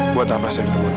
buat apa saya ketemu dia